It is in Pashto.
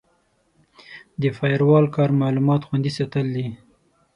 د فایروال کار معلومات خوندي ساتل دي.